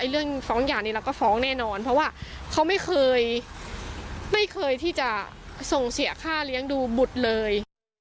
เรื่องฟ้องหย่านี้เราก็ฟ้องแน่นอนเพราะว่าเขาไม่เคยไม่เคยที่จะส่งเสียค่าเลี้ยงดูบุตรเลย